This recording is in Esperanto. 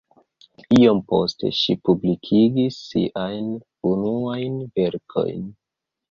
Iom poste ŝi publikigis siajn unuajn verkojn.